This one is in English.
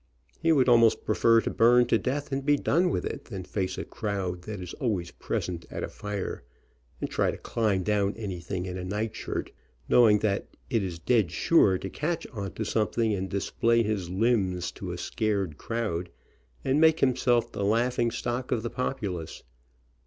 He would almost prefer to burn to death 10 THE DUDE AND HIS PAJAMAS and done with it, than to face a crowd that is always present at a fire, and try to climb down anything in a night shirt, knowing that it is dead sure to catch onto something, and display his limbs to a scared crowd, and make himself the laughing stock of the populace.